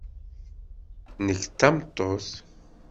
Nekk d tameṭṭut.